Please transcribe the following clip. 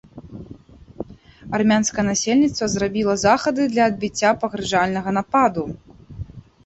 Армянскае насельніцтва зрабіла захады для адбіцця пагражальнага нападу.